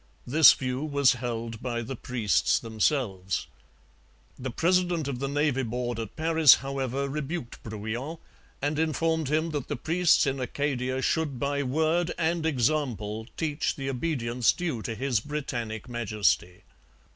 This view was held by the priests themselves. The president of the Navy Board at Paris, however, rebuked Brouillan, and informed him that the priests in Acadia should by word and example teach the obedience due to His Britannic Majesty.